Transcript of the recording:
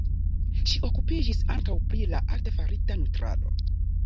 Ŝi okupiĝis ankaŭ pri la artefarita nutrado.